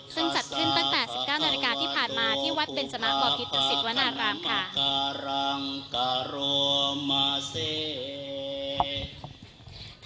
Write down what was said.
ซึ่งจัดขึ้นตั้งแต่๑๙นาฬิกาที่ผ่านมาที่วัดเบนจนะบ่อพิษประสิทธิ์วนารามค่ะ